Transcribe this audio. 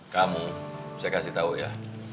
kamu saya kasih tahu ya